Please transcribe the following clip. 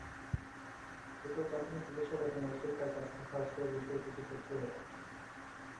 এরপর প্রাথমিক জিজ্ঞাসাবাদে নজরুল তাঁর কাছে থাকা অস্ত্রের বিষয়ে কিছু তথ্য দেয়।